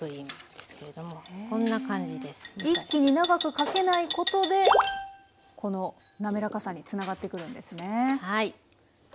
一気に長くかけないことでこの滑らかさにつながってくるんですね。